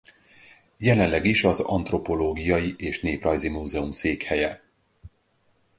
Jelenleg is az Antropológiai és Néprajzi Múzeum székhelye.